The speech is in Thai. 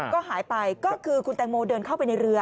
ก็หายไปก็คือคุณแตงโมเดินเข้าไปในเรือ